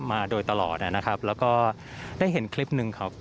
มาโดยตลอดนะครับแล้วก็ได้เห็นคลิปหนึ่งครับ